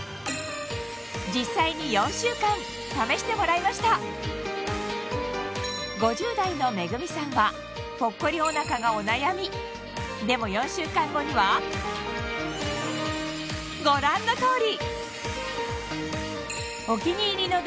実際に４週間試してもらいました５０代のめぐみさんはぽっこりおなかがお悩みでも４週間後にはご覧の通り！